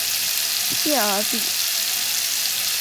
谢尔比。